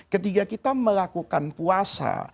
ketika kita melakukan puasa